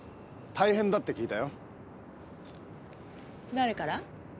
誰から？